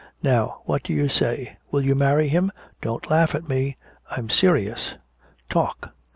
Now what do you say? Will you marry him? Don't laugh at me! I'm serious! Talk!"